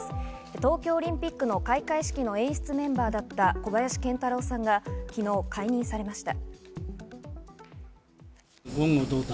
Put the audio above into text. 東京オリンピックの開会式の演出メンバーだった小林賢太郎さんが昨日、解任されました。